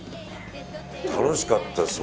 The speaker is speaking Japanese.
楽しかったです